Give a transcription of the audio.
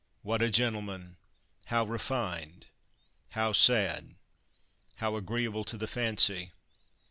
What a gentleman! how refined! how sad! how agreeable to the fancy!